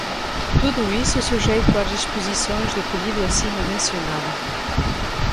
Tudo isso sujeito às disposições do pedido acima mencionado.